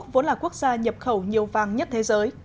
vốn là quốc gia nhập khẩu nhiều vàng nhất thế giới